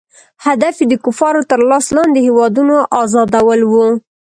هدف یې د کفارو تر لاس لاندې هیوادونو آزادول وو.